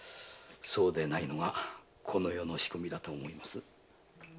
そうでないのがこの世の仕組みだと思いますよ。